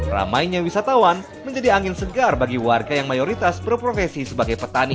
ramainya wisatawan menjadi angin segar bagi warga yang mayoritas berprofesi sebagai petani